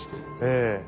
ええ。